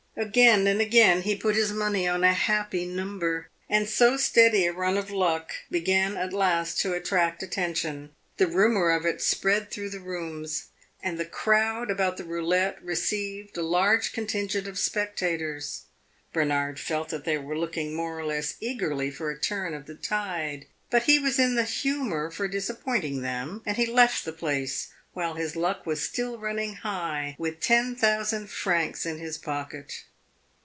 Again and again he put his money on a happy number, and so steady a run of luck began at last to attract attention. The rumor of it spread through the rooms, and the crowd about the roulette received a large contingent of spectators. Bernard felt that they were looking more or less eagerly for a turn of the tide; but he was in the humor for disappointing them, and he left the place, while his luck was still running high, with ten thousand francs in his pocket.